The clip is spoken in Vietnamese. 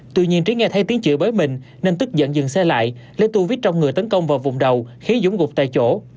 tuy nhiên trí nghe thấy tiếng chữ bới mình nên tức giận dừng xe lại lấy tu viết trong người tấn công vào vùng đầu khiến dũng gục tại chỗ